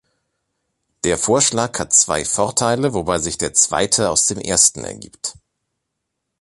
Der Vorschlag hat zwei Vorteile, wobei sich der zweite aus dem ersten ergibt.